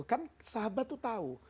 kan sahabat tuh tau